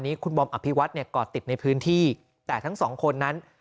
คุณบอมอภิวัตเนี่ยก่อติดในพื้นที่แต่ทั้งสองคนนั้น